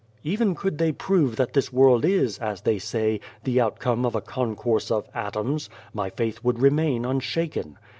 " Even could they prove that this world is, as they say, the outcome of ' a concourse of atoms,' my faith would remain unshaken.